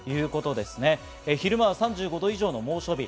昼間は３５度以上の猛暑日。